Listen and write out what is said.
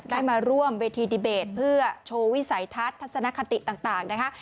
ได้มาร่วมเวทีดีเบตเพื่อโชว์วิสัยทัศน์ทัศนคติต่างนะคะ